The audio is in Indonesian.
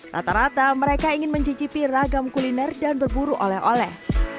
rata rata mereka ingin mencicipi ragam kuliner dan berburu oleh oleh